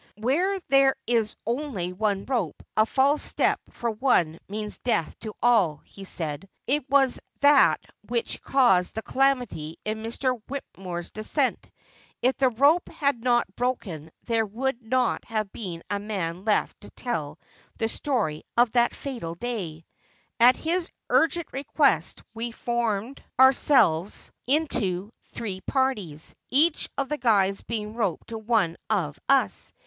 " Where there is only one rope, a false step for one means death to all," he said. " It was that which caused the calamity in Mr. Whymper's descent ; if the rope had not broken there would not have been a man left to tell the story of that fatal day," At his urgent request we formed our 378 Asphodel. selves into three parties, each of the guides being roped to one of us.